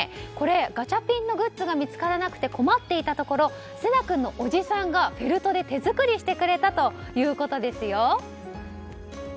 ガチャピンのグッズが見つからなくて困っていたところせな君のおじさんがフェルトで手作りしてくれたということです。